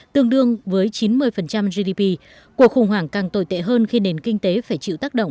tương đương với chín mươi gdp cuộc khủng hoảng càng tồi tệ hơn khi nền kinh tế phải chịu tác động